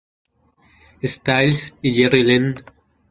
Styles y Jerry Lynn.